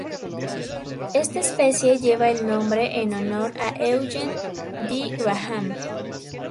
Esta especie lleva el nombre en honor a Eugene D. Graham.